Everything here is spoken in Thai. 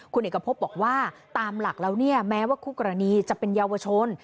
คุณเอกพบบอกว่าตามหลักแล้วเนี่ยแม้ว่าคู่กรณีจะเป็นเยาวชน